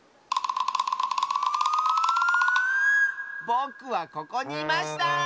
ぼくはここにいました！